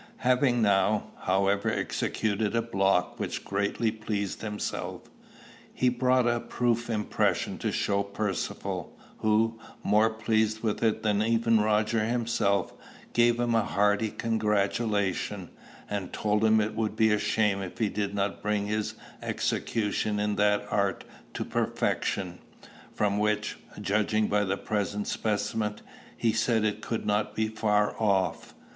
Having now, however, executed a block which greatly pleased himself, he had brought a proof impression to show Percivale; who, more pleased with it than even Roger himself, gave him a hearty congratulation, and told him it would be a shame if he did not bring his execution in that art to perfection; from which, judging by the present specimen, he said it could not be far off.